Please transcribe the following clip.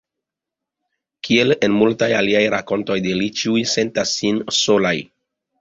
Kiel en multaj aliaj rakontoj de li, ĉiuj sentas sin solaj.